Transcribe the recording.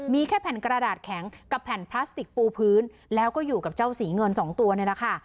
มีแค่แผ่นกระดาษแข็งกับแผ่นพลาสติกปูพื้นแล้วก็อยู่กับเจ้าสีเงินสองตัวนี่แหละค่ะ